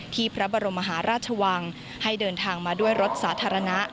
พระบรมมหาราชวังให้เดินทางมาด้วยรถสาธารณะ